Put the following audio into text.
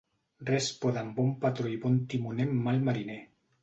Res poden bon patró i bon timoner amb mal mariner.